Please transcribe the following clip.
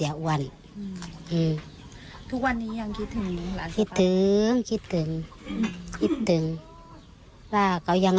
อยากกับแขกสาย